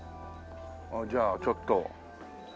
じゃあちょっと。